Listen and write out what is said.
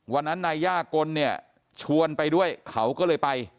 วันนั้นนายย่ากลเนี่ยชวนไปด้วยเขาก็เลยไป